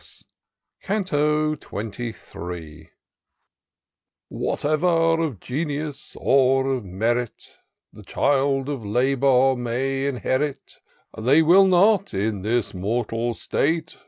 275 CANTO XXIIL HATE'ER of genius or of merit The child of labour may inherit, They, will not, in this mortal state.